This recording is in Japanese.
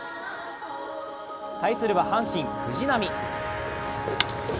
対するは阪神・藤浪。